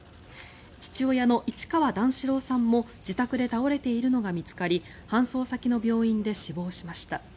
父親の市川段四郎さんも自宅で倒れているのが見つかり搬送先の病院で死亡しました。